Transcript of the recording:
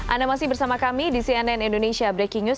anda masih bersama kami di cnn indonesia breaking news